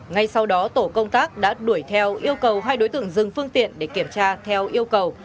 ngay sau đó tổ công tác đã đuổi theo yêu cầu hai đối tượng dừng phương tiện để kiểm tra theo yêu cầu